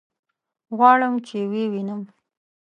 غواړم چې ويې وينم.